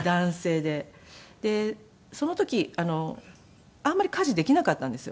その時あんまり家事できなかったんですよ。